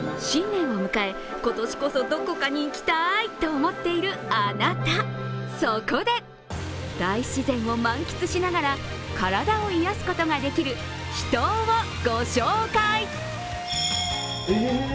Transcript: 新年を迎え、今年こそどこかに行きたいと思っている、あなた、そこで大自然を満喫しながら体を癒やすことができる秘湯をご紹介。